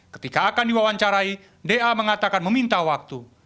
ketika akan diwawancarai da mengatakan meminta waktu